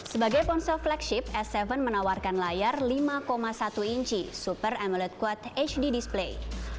sebagai ponsel flagship s tujuh menawarkan layar lima satu inci super emillet quote hd display